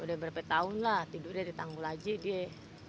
udah berapa tahun lah tidurnya di tanggul aja dia